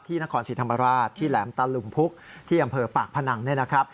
นครศรีธรรมราชที่แหลมตะลุมพุกที่อำเภอปากพนังเนี่ยนะครับ